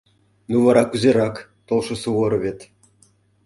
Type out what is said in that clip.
— Ну, вара кузерак толшо Суворовет?